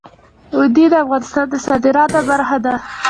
وادي د افغانستان د صادراتو برخه ده.